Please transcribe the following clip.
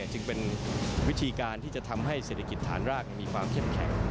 จึงเป็นวิธีการที่จะทำให้เศรษฐกิจฐานรากมีความเข้มแข็ง